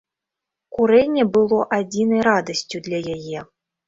Курэнне было адзінай радасцю для яе.